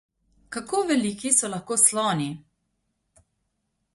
Kako veliki so lahko sloni?